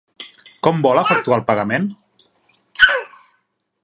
Com vol efectuar el pagament?